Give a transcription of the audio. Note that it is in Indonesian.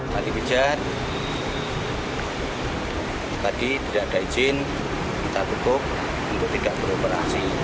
panti pijat tadi tidak ada izin kita bukuk untuk tidak beroperasi